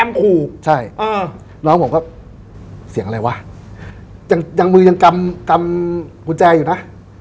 แก้มผูกใช่ร้องผมก็เสียงอะไรวะยังมือยังกำหุ้นแจ่อยู่นะ